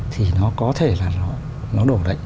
thì nó có thể là nó đổ đấy